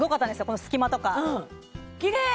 この隙間とかきれい！